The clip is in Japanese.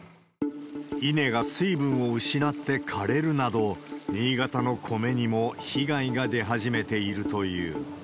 稲が水分を失って枯れるなど、新潟のコメにも被害が出始めているという。